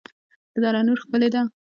د دره نور ښکلې ده